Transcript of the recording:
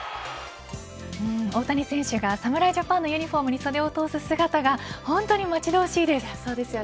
大谷選手が侍ジャパンのユニホームに袖を通す姿が本当に楽しみで待ち遠しいです。